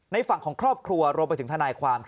ฝั่งของครอบครัวรวมไปถึงทนายความ